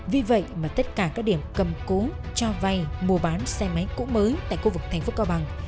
vì vậy mà tất cả các điểm cầm cố cho vay mua bán xe máy cũ mới tại khu vực thành phố cao bằng